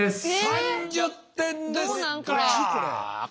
３０点ですか！